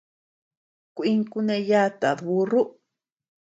Kuin kuneyatad burru.